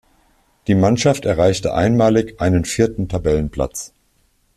Die Mannschaft erreichte einmalig einen vierten Tabellenplatz.